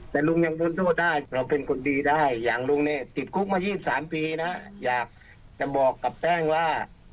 แต่ลุงยังพ้นโทษได้เราเป็นคนดีได้อย่างลุงเนี่ยติดคุกมา๒๓ปีนะอยากจะบอกกับแป้งว่า